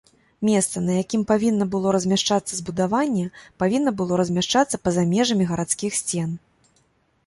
Месца, на якім павінна было размяшчацца збудаванне, павінна было размяшчацца па-за межамі гарадскіх сцен.